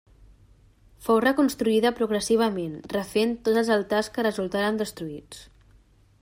Fou reconstruïda progressivament, refent tots els altars que resultaren destruïts.